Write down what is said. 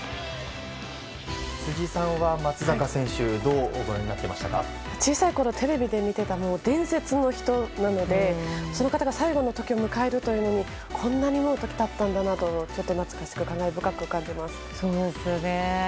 辻さんは松坂選手どうご覧になっていましたか。小さいころテレビで見ていた伝説の人なのでその方が最後の時を迎えるということでこんなにもう時が経ったんだなと懐かしく、感慨深く感じます。